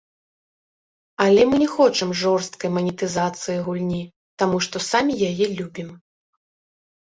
Але мы не хочам жорсткай манетызацыі гульні, таму што самі яе любім.